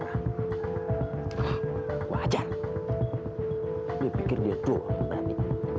tuh liat ayah beliin apa buat rara